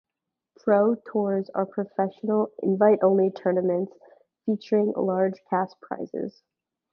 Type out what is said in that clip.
Pro Tours are professional, invite-only tournaments featuring large cash prizes.